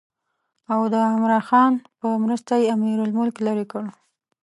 او د عمرا خان په مرسته یې امیرالملک لرې کړ.